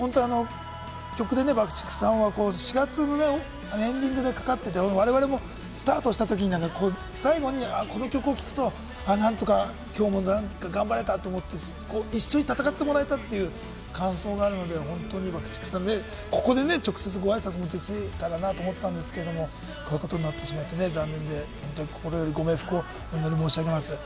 曲でね、ＢＵＣＫ−ＴＩＣＫさんは４月のね、エンディングでかかっていて、我々もスタートしたときに、最後にこの曲を聴くと、何とかきょうも頑張れたと思って、一緒に戦ってもらえたという感想があるので、本当にＢＵＣＫ−ＴＩＣＫさんね、直接ごあいさつできたらなと思ったんですけれども、こういうことになってしまってね、残念で、心よりご冥福をお祈り申し上げます。